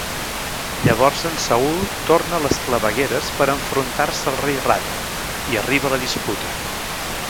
Llavors en Saul torna a les clavegueres per enfrontar-se al Rei Rata, i arriba la disputa.